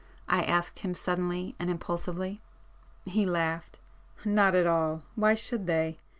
I asked him suddenly and impulsively. He laughed. "Not at all. Why should they?